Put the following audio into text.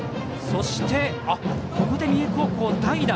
そして、ここで三重高校、代打。